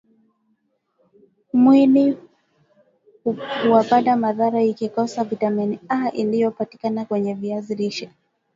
mwili huapata madhara ikikosa viatamin A inayopatikana kwenye viazi lishe